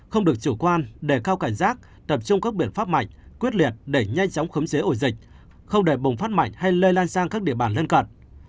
không được chủ quan đề cao cảnh giác tập trung các biện pháp mạnh quyết liệt để nhanh chóng khống chế ổ dịch không để bùng phát mạnh hay lây lan sang các địa bàn lân cận